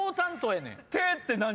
「て」って何？